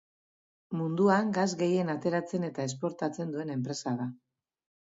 Munduan gas gehien ateratzen eta esportatzen duen enpresa da.